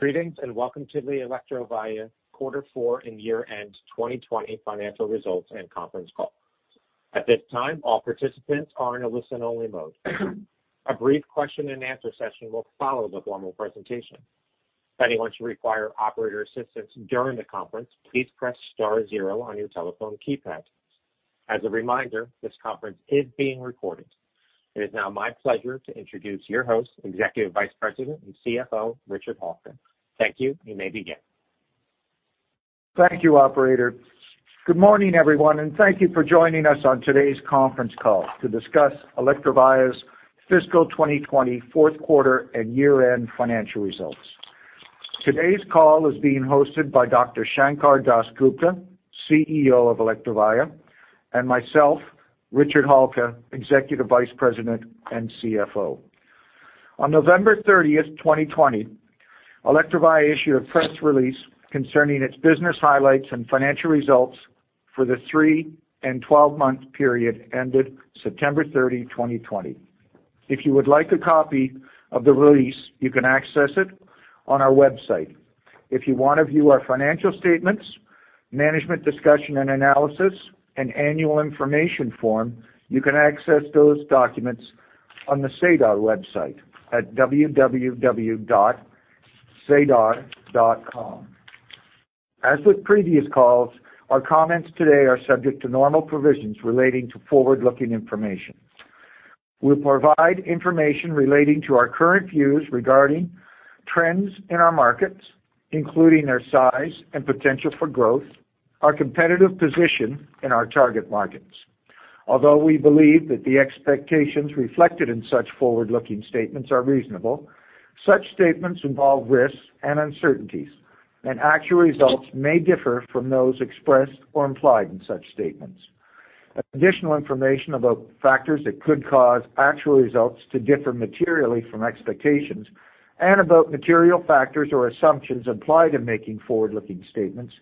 Greetings, and welcome to the Electrovaya Quarter Four and Year End 2020 Financial Results and Conference Call. At this time, all participants are in a listen-only mode. A brief question-and-answer session will follow the formal presentation. If anyone should require operator assistance during the conference, please press star zero on your telephone keypad. As a reminder, this conference is being recorded. It is now my pleasure to introduce your host, Executive Vice President and CFO, Richard Halka. Thank you. You may begin. Thank you, Operator. Good morning, everyone, and thank you for joining us on today's conference call to discuss Electrovaya's fiscal 2020 fourth quarter and year-end financial results. Today's call is being hosted by Dr. Sankar Das Gupta, CEO of Electrovaya, and myself, Richard Halka, Executive Vice President and CFO. On November 30th, 2020, Electrovaya issued a press release concerning its business highlights and financial results for the three and 12-month period ended September 30, 2020. If you would like a copy of the release, you can access it on our website. If you want to view our financial statements, management discussion and analysis, and annual information form, you can access those documents on the SEDAR website at www.sedar.com. As with previous calls, our comments today are subject to normal provisions relating to forward-looking information. We'll provide information relating to our current views regarding trends in our markets, including their size and potential for growth, our competitive position in our target markets. Although we believe that the expectations reflected in such forward-looking statements are reasonable, such statements involve risks and uncertainties, and actual results may differ from those expressed or implied in such statements. Additional information about factors that could cause actual results to differ materially from expectations and about material factors or assumptions implied in making forward-looking statements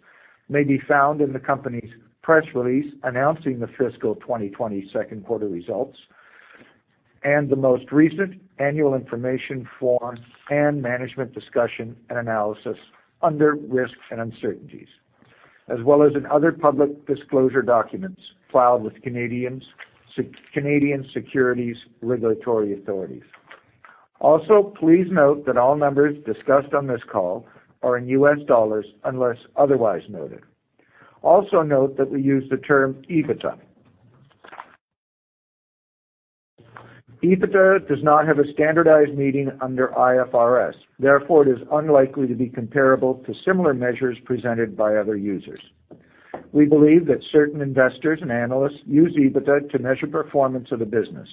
may be found in the company's press release announcing the fiscal 2020 second quarter results, and the most recent annual information form and management discussion and analysis under risks and uncertainties, as well as in other public disclosure documents filed with Canadian securities regulatory authorities. Also, please note that all numbers discussed on this call are in U.S. dollars, unless otherwise noted. Also, note that we use the term EBITDA. EBITDA does not have a standardized meaning under IFRS, therefore it is unlikely to be comparable to similar measures presented by other users. We believe that certain investors and analysts use EBITDA to measure performance of the business.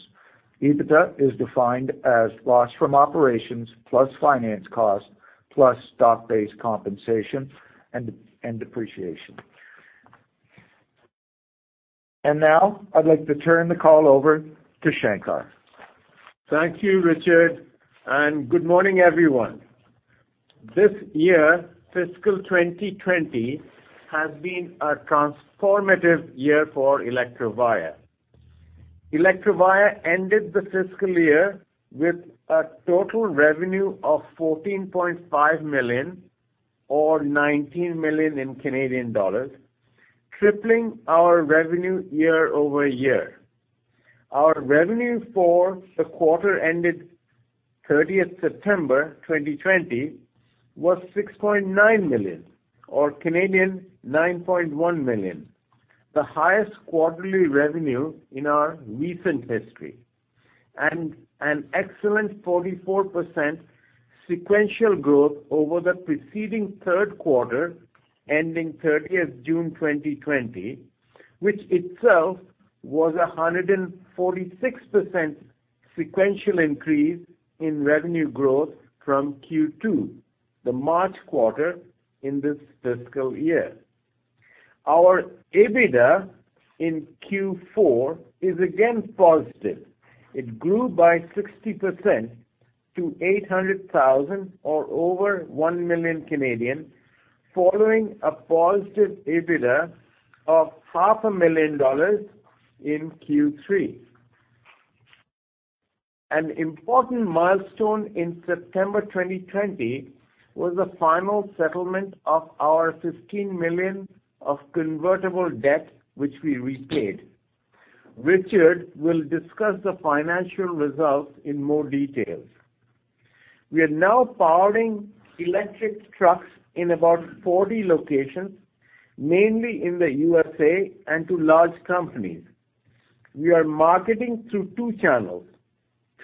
EBITDA is defined as loss from operations, plus finance cost, plus stock-based compensation and depreciation. Now I'd like to turn the call over to Sankar. Thank you, Richard, and good morning, everyone. This year, fiscal 2020, has been a transformative year for Electrovaya. Electrovaya ended the fiscal year with a total revenue of $14.5 million, or 19 million, tripling our revenue year-over-year. Our revenue for the quarter ended 30th September 2020 was $6.9 million, or 9.1 million, the highest quarterly revenue in our recent history, and an excellent 44% sequential growth over the preceding third quarter ending 30th June 2020, which itself was 146% sequential increase in revenue growth from Q2, the March quarter in this fiscal year. Our EBITDA in Q4 is again positive. It grew by 60% to $800,000, or over 1 million, following a positive EBITDA of $500,000 in Q3. An important milestone in September 2020 was the final settlement of our $15 million of convertible debt, which we repaid. Richard will discuss the financial results in more details. We are now powering electric trucks in about 40 locations, mainly in the U.S. and to large companies. We are marketing through two channels: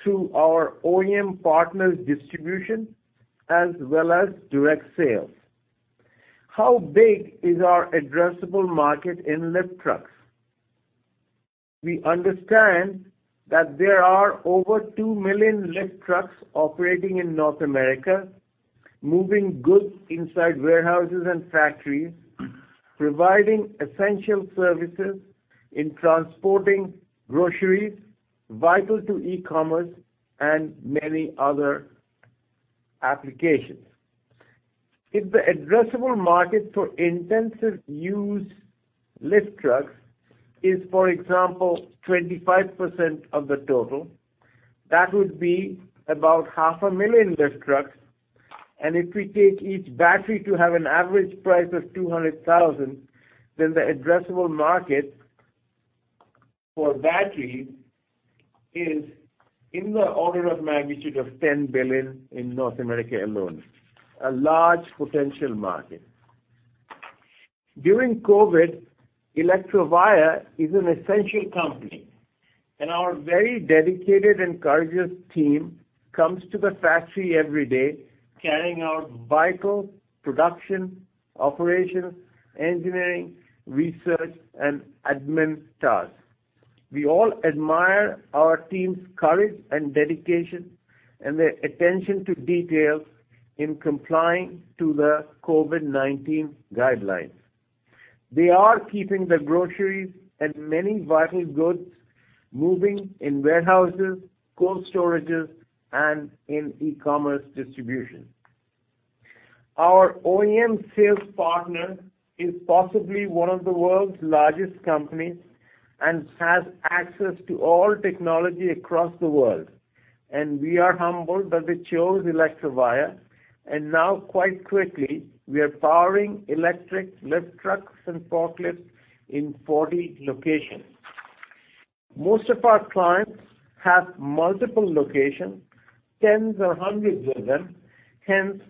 through our OEM partners' distribution as well as direct sales. How big is our addressable market in lift trucks? We understand that there are over 2 million lift trucks operating in North America, moving goods inside warehouses and factories, providing essential services in transporting groceries, vital to e-commerce, and many other applications. If the addressable market for intensive-use lift trucks is, for example, 25% of the total. That would be about half a million lift trucks. If we take each battery to have an average price of 200,000, then the addressable market for batteries is in the order of magnitude of $10 billion in North America alone. A large potential market. During COVID, Electrovaya is an essential company, and our very dedicated and courageous team comes to the factory every day, carrying out vital production, operation, engineering, research, and admin tasks. We all admire our team's courage and dedication, and their attention to detail in complying to the COVID-19 guidelines. They are keeping the groceries and many vital goods moving in warehouses, cold storages, and in e-commerce distribution. Our OEM sales partner is possibly one of the world's largest companies and has access to all technology across the world, and we are humbled that they chose Electrovaya. Now quite quickly, we are powering electric lift trucks and forklifts in 40 locations. Most of our clients have multiple locations, tens or hundreds of them. Hence,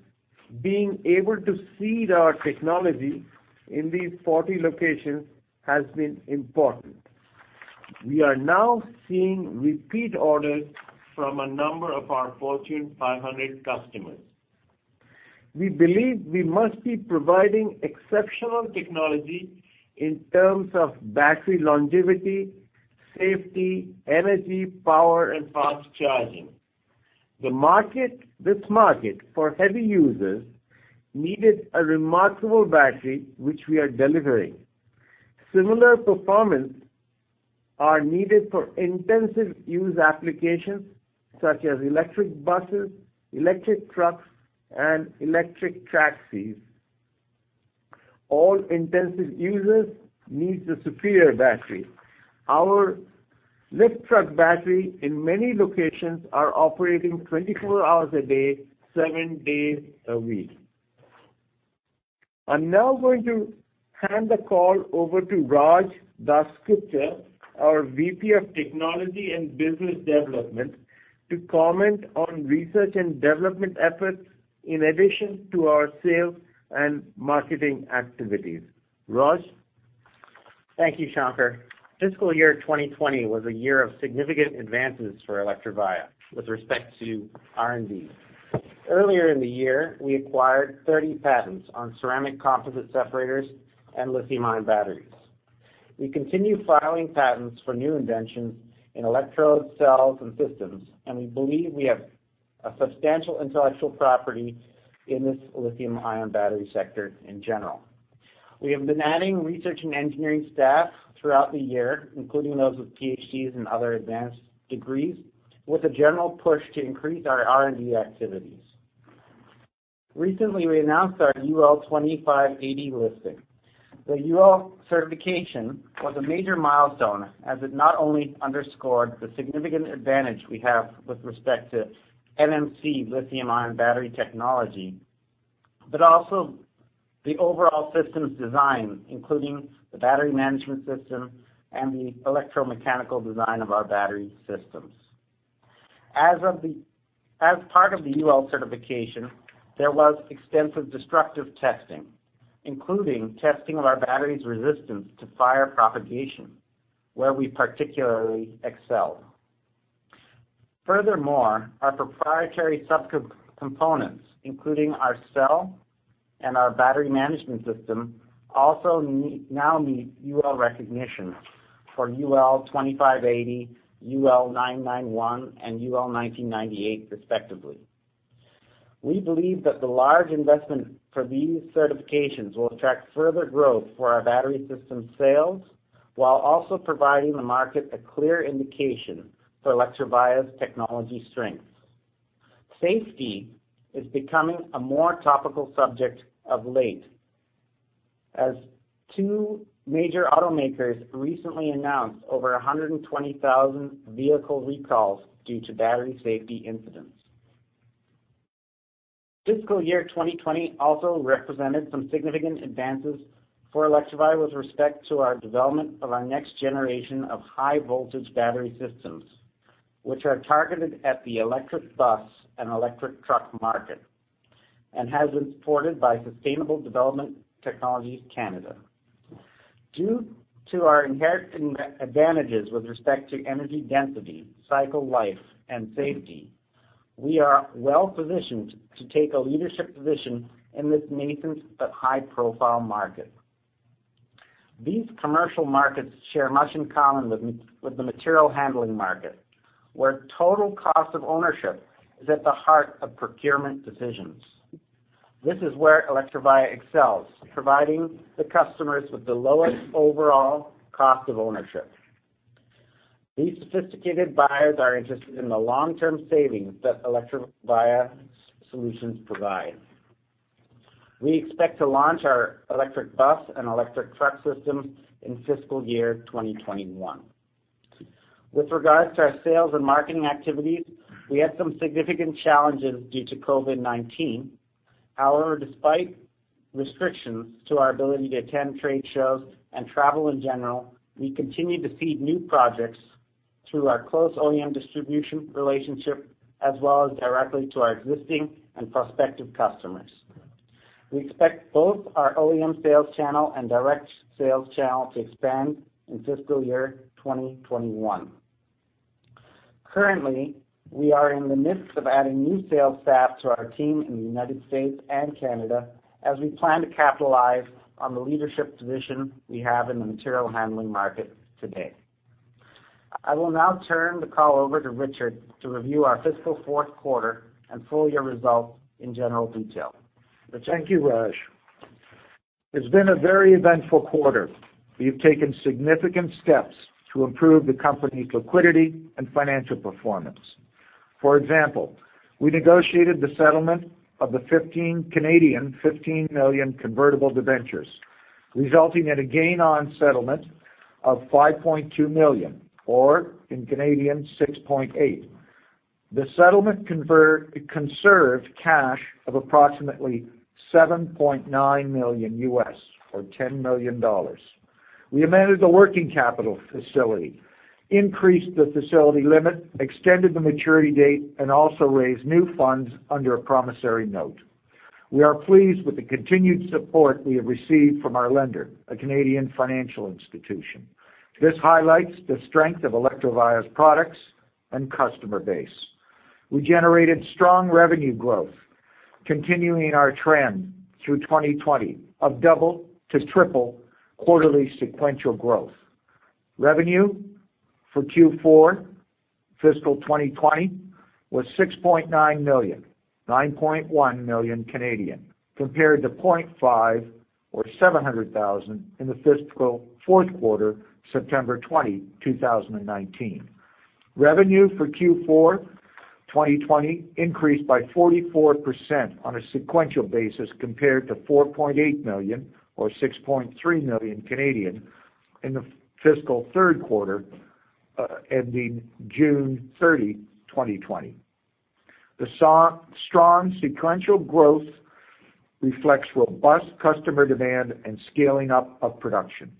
being able to seed our technology in these 40 locations has been important. We are now seeing repeat orders from a number of our Fortune 500 customers. We believe we must be providing exceptional technology in terms of battery longevity, safety, energy, power, and fast charging. This market, for heavy users, needed a remarkable battery, which we are delivering. Similar performance are needed for intensive use applications such as electric buses, electric trucks, and electric taxis. All intensive users needs a superior battery. Our lift truck battery in many locations are operating 24 hours a day, seven days a week. I'm now going to hand the call over to Raj DasGupta, our VP of Technology and Business Development, to comment on research and development efforts in addition to our sales and marketing activities. Raj? Thank you, Sankar. Fiscal year 2020 was a year of significant advances for Electrovaya with respect to R&D. Earlier in the year, we acquired 30 patents on ceramic composite separators and lithium-ion batteries. We continue filing patents for new inventions in electrodes, cells, and systems. We believe we have a substantial intellectual property in this lithium-ion battery sector in general. We have been adding research and engineering staff throughout the year, including those with PhDs and other advanced degrees, with a general push to increase our R&D activities. Recently, we announced our UL 2580 listing. The UL certification was a major milestone, as it not only underscored the significant advantage we have with respect to NMC lithium-ion battery technology, but also the overall systems design, including the battery management system and the electromechanical design of our battery systems. As part of the UL certification, there was extensive destructive testing, including testing of our battery's resistance to fire propagation, where we particularly excelled. Furthermore, our proprietary subcomponents, including our cell and our battery management system, also now meet UL recognition for UL 2580, UL 991, and UL 1998 respectively. We believe that the large investment for these certifications will attract further growth for our battery system sales, while also providing the market a clear indication for Electrovaya's technology strengths. Safety is becoming a more topical subject of late, as two major automakers recently announced over 120,000 vehicle recalls due to battery safety incidents. Fiscal year 2020 also represented some significant advances for Electrovaya with respect to our development of our next generation of high-voltage battery systems, which are targeted at the electric bus and electric truck market, and has been supported by Sustainable Development Technology Canada. Due to our inherent advantages with respect to energy density, cycle life, and safety, we are well positioned to take a leadership position in this nascent but high profile market. These commercial markets share much in common with the material handling market, where total cost of ownership is at the heart of procurement decisions. This is where Electrovaya excels, providing the customers with the lowest overall cost of ownership. These sophisticated buyers are interested in the long-term savings that Electrovaya solutions provide. We expect to launch our electric bus and electric truck systems in fiscal year 2021. With regards to our sales and marketing activities, we had some significant challenges due to COVID-19. However, despite restrictions to our ability to attend trade shows and travel in general, we continue to seed new projects through our close OEM distribution relationship, as well as directly to our existing and prospective customers. We expect both our OEM sales channel and direct sales channel to expand in fiscal year 2021. Currently, we are in the midst of adding new sales staff to our team in the United States and Canada as we plan to capitalize on the leadership position we have in the material handling market today. I will now turn the call over to Richard to review our fiscal fourth quarter and full-year results in general detail. Thank you, Raj. It's been a very eventful quarter. We have taken significant steps to improve the company's liquidity and financial performance. For example, we negotiated the settlement of the 15 million convertible debentures, resulting in a gain on settlement of $5.2 million, or 6.8 million. The settlement conserved cash of approximately $7.9 million or 10 million dollars. We amended the working capital facility, increased the facility limit, extended the maturity date, and also raised new funds under a promissory note. We are pleased with the continued support we have received from our lender, a Canadian financial institution. This highlights the strength of Electrovaya's products and customer base. We generated strong revenue growth, continuing our trend through 2020 of double to triple quarterly sequential growth. Revenue for Q4 fiscal 2020 was $6.9 million, 9.1 million, compared to $0.5 million or 700,000 in the fiscal fourth quarter, September 20, 2019. Revenue for Q4 2020 increased by 44% on a sequential basis, compared to $4.8 million or 6.3 million in the fiscal third quarter, ending June 30, 2020. The strong sequential growth reflects robust customer demand and scaling up of production.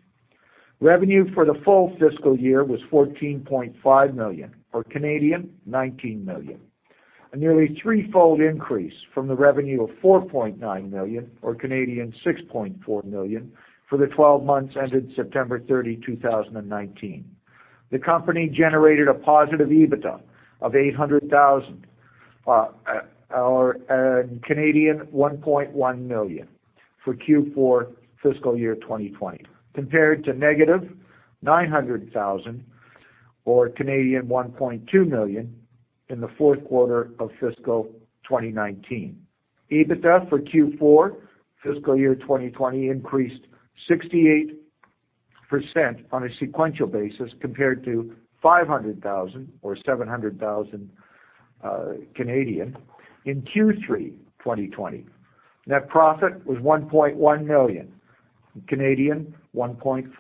Revenue for the full fiscal year was $14.5 million, or 19 million, a nearly threefold increase from the revenue of $4.9 million or 6.4 million for the 12 months ended September 30, 2019. The company generated a positive EBITDA of $800,000, or 1.1 million for Q4 fiscal year 2020, compared to negative $900,000 or 1.2 million in the fourth quarter of fiscal 2019. EBITDA for Q4 fiscal year 2020 increased 68% on a sequential basis compared to $500,000 or 700,000 in Q3 2020. Net profit was $1.1 million, 1.4 million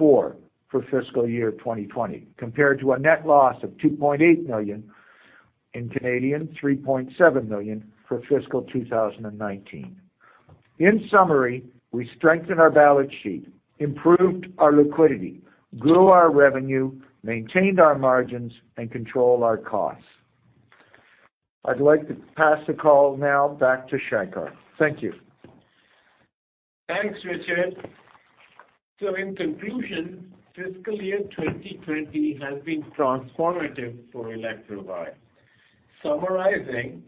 for fiscal year 2020, compared to a net loss of $2.8 million, 3.7 million for fiscal 2019. In summary, we strengthened our balance sheet, improved our liquidity, grew our revenue, maintained our margins, and controlled our costs. I'd like to pass the call now back to Sankar. Thank you. Thanks, Richard. In conclusion, fiscal year 2020 has been transformative for Electrovaya. Summarizing,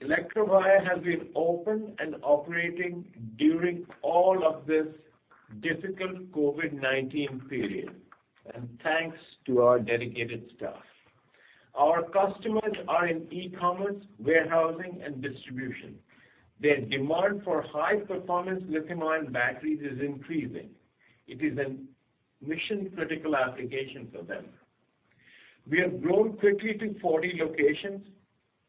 Electrovaya has been open and operating during all of this difficult COVID-19 period, and thanks to our dedicated staff. Our customers are in e-commerce, warehousing, and distribution. Their demand for high-performance lithium-ion batteries is increasing. It is a mission-critical application for them. We have grown quickly to 40 locations,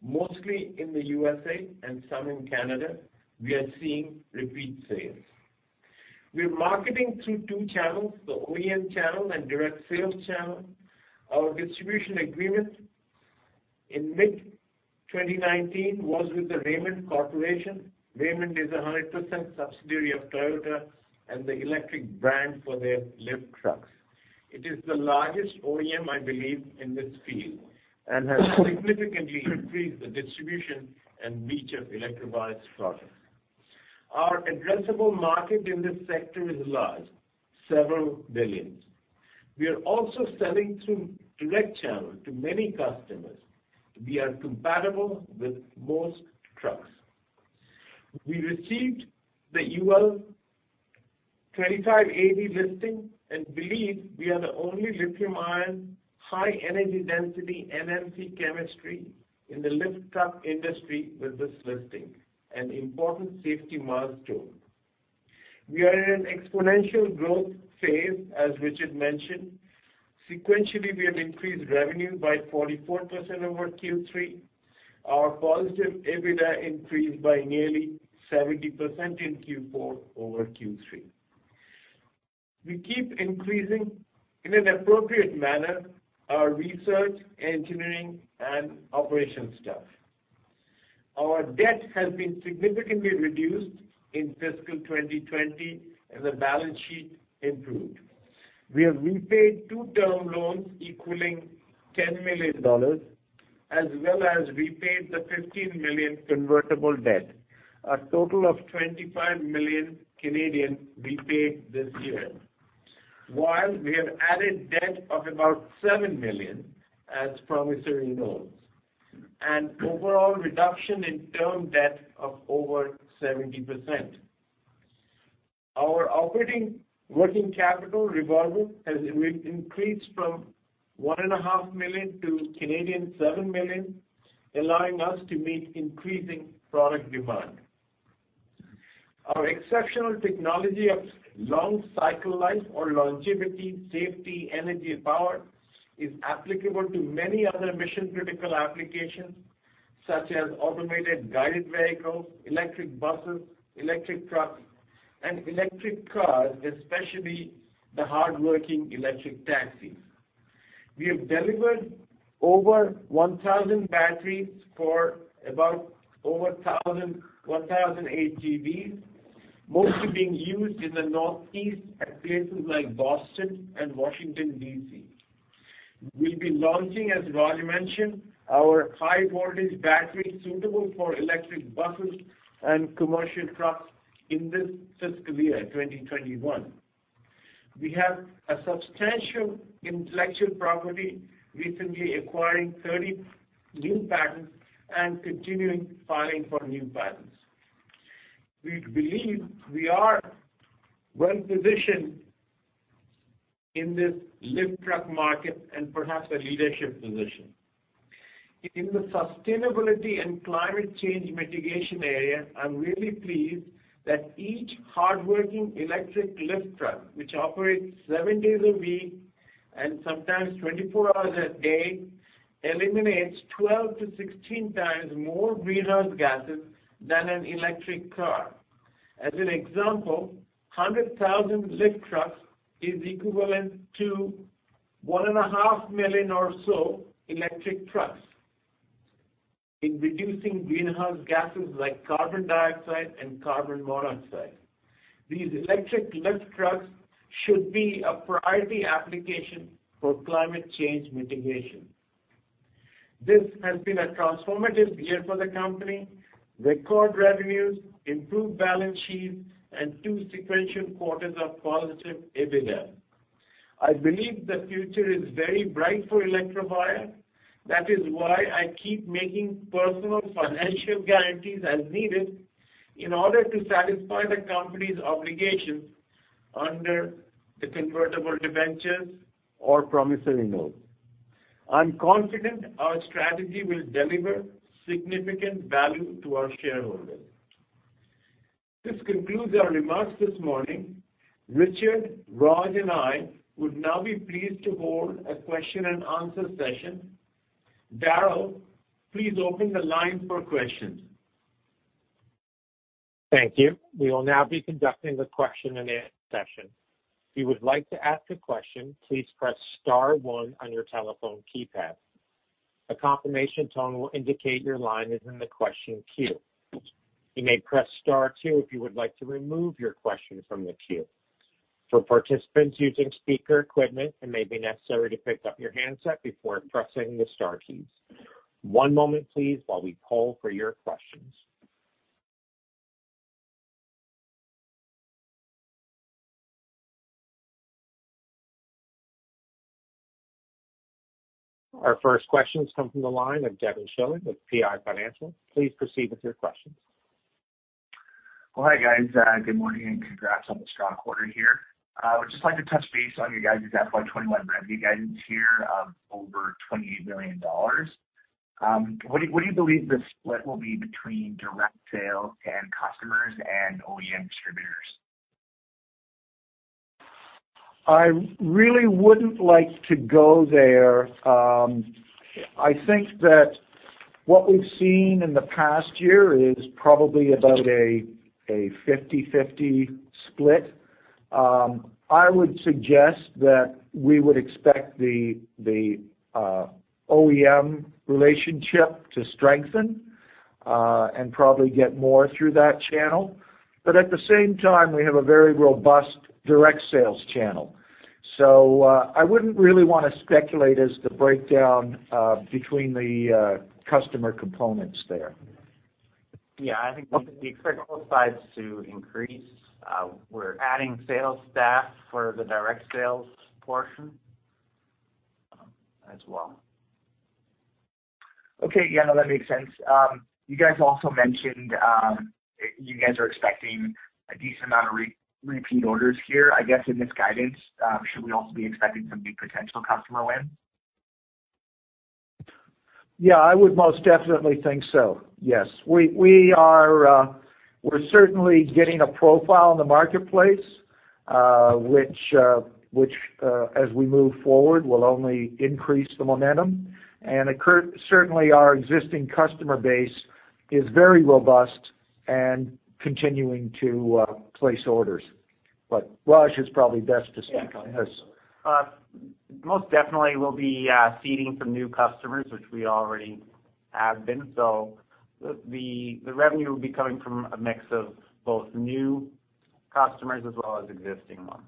mostly in the U.S.A. and some in Canada. We are seeing repeat sales. We are marketing through two channels, the OEM channel and direct sales channel. Our distribution agreement in mid-2019 was with The Raymond Corporation. Raymond is 100% subsidiary of Toyota and the electric brand for their lift trucks. It is the largest OEM, I believe, in this field and has significantly increased the distribution and reach of Electrovaya's products. Our addressable market in this sector is large, several billions. We are also selling through direct channel to many customers. We are compatible with most trucks. We received the UL 2580 listing and believe we are the only lithium-ion, high-energy density NMC chemistry in the lift truck industry with this listing, an important safety milestone. We are in an exponential growth phase, as Richard mentioned. Sequentially, we have increased revenue by 44% over Q3. Our positive EBITDA increased by nearly 70% in Q4 over Q3. We keep increasing, in an appropriate manner, our research, engineering, and operations staff. Our debt has been significantly reduced in fiscal 2020, and the balance sheet improved. We have repaid two term loans equaling 10 million dollars, as well as repaid the 15 million convertible debt. A total of 25 million Canadian dollars repaid this year. While we have added debt of about 7 million as promissory notes, an overall reduction in term debt of over 70%. Our operating working capital revolver has increased from 1.5 million to 7 million, allowing us to meet increasing product demand. Our exceptional technology of long cycle life or longevity, safety, energy, and power is applicable to many other mission-critical applications such as Automated Guided Vehicles, electric buses, electric trucks, and electric cars, especially the hardworking electric taxis. We have delivered over 1,000 batteries for about over 1,000 AGVs, mostly being used in the Northeast at places like Boston and Washington, D.C. We'll be launching, as Raj mentioned, our high-voltage battery suitable for electric buses and commercial trucks in this fiscal year, 2021. We have a substantial intellectual property, recently acquiring 30 new patents and continuing filing for new patents. We believe we are well-positioned in this lift truck market and perhaps a leadership position. In the sustainability and climate change mitigation area, I'm really pleased that each hardworking electric lift truck, which operates seven days a week and sometimes 24 hours a day, eliminates 12-16 times more greenhouse gases than an electric car. As an example, 100,000 lift trucks is equivalent to 1.5 million or so electric trucks in reducing greenhouse gases like carbon dioxide and carbon monoxide. These electric lift trucks should be a priority application for climate change mitigation. This has been a transformative year for the company. Record revenues, improved balance sheet, and two sequential quarters of positive EBITDA. I believe the future is very bright for Electrovaya. That is why I keep making personal financial guarantees as needed in order to satisfy the company's obligations under the convertible debentures or promissory notes. I'm confident our strategy will deliver significant value to our shareholders. This concludes our remarks this morning. Richard, Raj, and I would now be pleased to hold a question-and-answer session. Darryl, please open the lines for questions. Thank you. We will now be conducting the question-and-answer session. If you would like to ask a question, please press star one on your telephone keypad. A confirmation tone will indicate your line is in the question queue. You may press star two if you would like to remove your question from the queue. For participants using speaker equipment, it may be necessary to pick up your handset before pressing the star keys. One moment, please, while we poll for your questions. Our first question comes from the line of Devin Schilling with PI Financial. Please proceed with your questions. Hi, guys. Good morning, and congrats on the strong quarter here. I would just like to touch base on your guys' FY 2021 revenue guidance here of over $28 million. What do you believe the split will be between direct sales and customers and OEM distributors? I really wouldn't like to go there. I think that what we've seen in the past year is probably about a 50/50 split. I would suggest that we would expect the OEM relationship to strengthen, and probably get more through that channel. At the same time, we have a very robust direct sales channel. I wouldn't really want to speculate as to breakdown between the customer components there. Yeah, I think we expect both sides to increase. We're adding sales staff for the direct sales portion as well. Okay. Yeah, no, that makes sense. You guys also mentioned you guys are expecting a decent amount of repeat orders here. I guess in this guidance, should we also be expecting some new potential customer wins? Yeah, I would most definitely think so. Yes. We're certainly getting a profile in the marketplace, which as we move forward, will only increase the momentum. Certainly, our existing customer base is very robust and continuing to place orders. Raj is probably best to speak on this. Most definitely, we'll be seeding some new customers, which we already have been. The revenue will be coming from a mix of both new customers as well as existing ones.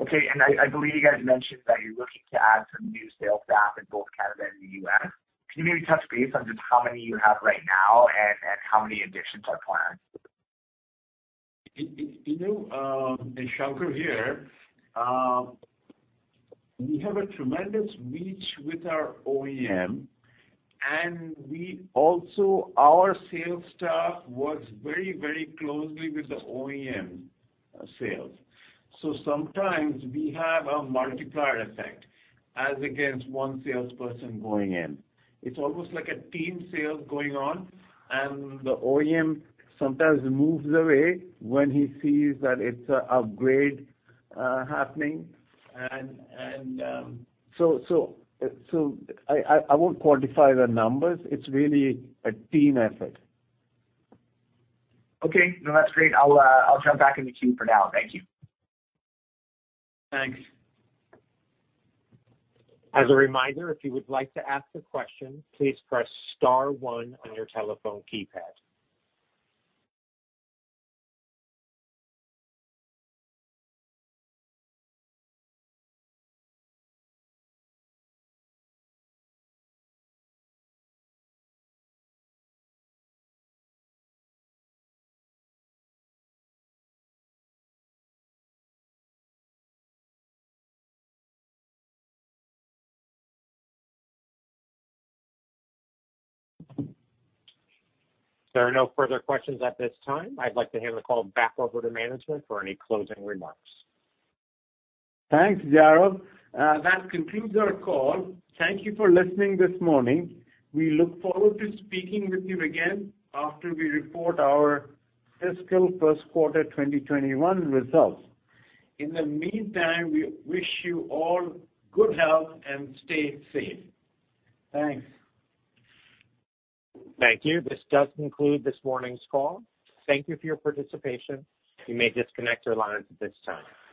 Okay. I believe you guys mentioned that you're looking to add some new sales staff in both Canada and the U.S. Can you maybe touch base on just how many you have right now and how many additions are planned? Sankar here. We have a tremendous reach with our OEM, and our sales staff works very closely with the OEM sales. Sometimes we have a multiplier effect as against one salesperson going in. It's almost like a team sale going on, and the OEM sometimes moves away when he sees that it's an upgrade happening. I won't quantify the numbers. It's really a team effort. Okay. No, that's great. I'll jump back in the queue for now. Thank you. Thanks. As a reminder, if you would like to ask a question, please press star one on your telephone keypad. There are no further questions at this time. I'd like to hand the call back over to management for any closing remarks. Thanks, Darryl. That concludes our call. Thank you for listening this morning. We look forward to speaking with you again after we report our fiscal first quarter 2021 results. In the meantime, we wish you all good health, and stay safe. Thanks. Thank you. This does conclude this morning's call. Thank you for your participation. You may disconnect your lines at this time.